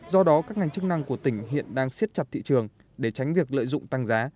do đó các ngành chức năng của tỉnh hiện đang siết chặt thị trường để tránh việc lợi dụng tăng giá